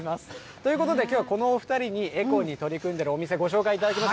ということで、きょうはこのお２人にエコに取り組んでいるお店、ご紹介いたします。